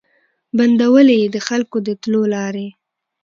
بندولې یې د خلکو د تلو لاري